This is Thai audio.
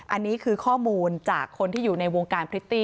อันนี้คือข้อมูลจากคนที่อยู่ในวงการพริตตี้